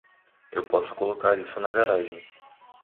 Eu posso colocar isso na garagem.